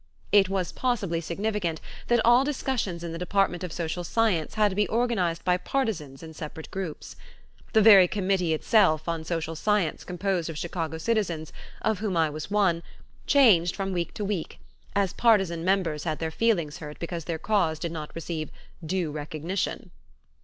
It was possibly significant that all discussions in the department of social science had to be organized by partisans in separate groups. The very committee itself on social science composed of Chicago citizens, of whom I was one, changed from week to week, as partisan members had their feelings hurt because their cause did not receive "due recognition."